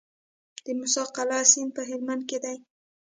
د موسی قلعه سیند په هلمند کې دی